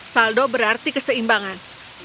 saldo berarti keseimbangan